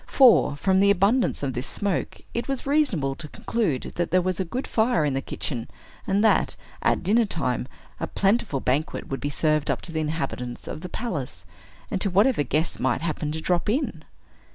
For, from the abundance of this smoke, it was reasonable to conclude that there was a good fire in the kitchen, and that, at dinner time, a plentiful banquet would be served up to the inhabitants of the palace, and to whatever guests might happen to drop in.